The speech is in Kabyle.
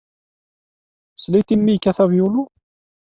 Tesliḍ i mmi yekkat avyulu?